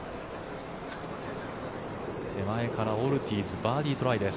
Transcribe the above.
手前からオルティーズバーディートライです。